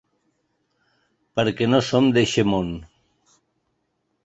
Perquè no som d’eixe món.